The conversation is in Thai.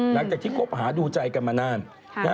หลังจากที่คบหาดูใจกันมานาน